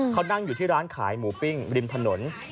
เขานั่งอยู่ที่ร้านขายหมูปิ้งริมถนน